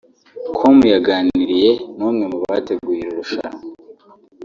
com yaganiriye n’umwe mu bateguye iri rushanwa